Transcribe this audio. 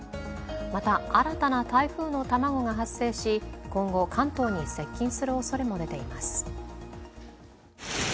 また新たな台風の卵が発生し今後、関東に接近するおそれも出ています。